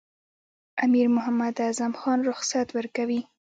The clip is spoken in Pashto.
امیر محمد اعظم خان رخصت ورکوي.